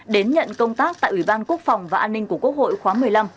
đến nhận công tác tại ủy ban quốc phòng và an ninh của quốc hội khóa một mươi năm